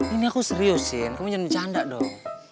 ini aku serius cindy kamu jangan bercanda dong